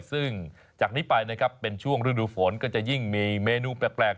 ซึ่งจากนี้ไปนะครับเป็นช่วงฤดูฝนก็จะยิ่งมีเมนูแปลก